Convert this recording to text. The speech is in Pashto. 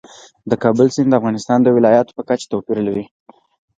د کابل سیند د افغانستان د ولایاتو په کچه توپیر لري.